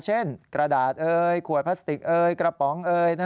เช่นกระดาษขวโปสติกกระป๋อง